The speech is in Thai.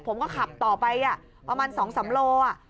ผมก็ขับต่อไปประมาณ๒๓โล